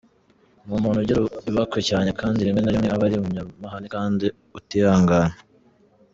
Ni umuntu ugira ibakwe cyane kandi rimwe na rimwe aba ari umunyamahane kandi utihangana.